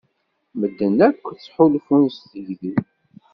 Medden akk ttḥulfun s tigdi.